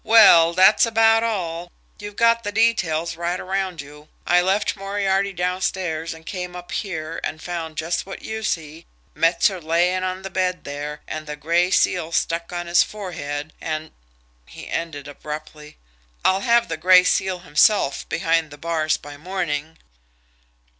"Well, that's about all. You've got the details right around you. I left Moriarty downstairs and came up here, and found just what you see Metzer laying on the bed there, and the gray seal stuck on his forehead and" he ended abruptly "I'll have the Gray Seal himself behind the bars by morning."